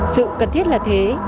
sự cần thiết là thế